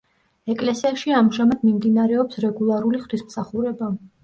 ეკლესიაში ამჟამად მიმდინარეობს რეგულარული ღვთისმსახურება.